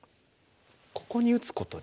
ここに打つことで。